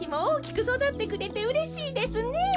おおきくそだってくれてうれしいですね。